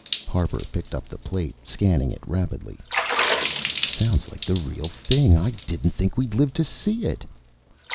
Harper picked up the plate, scanning it rapidly. "Sounds like the real thing. I didn't think we'd live to see it."